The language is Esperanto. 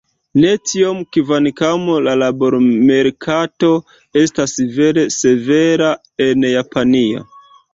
Ne tiom, kvankam la labormerkato estas vere severa en Japanio.